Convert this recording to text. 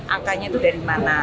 akannya itu dari mana